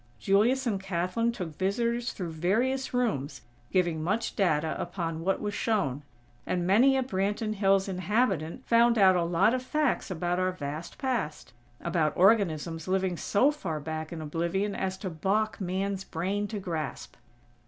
Julius and Kathlyn took visitors through various rooms, giving much data upon what was shown; and many a Branton Hills inhabitant found out a lot of facts about our vast past; about organisms living so far back in oblivion as to balk Man's brain to grasp.